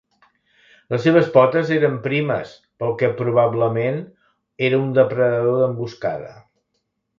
Les seves potes eren primes pel que probablement era un depredador d'emboscada.